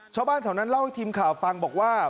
ชาวบ้านแถวนั้นเล่าให้ทีมข่าวฟังบอกว่า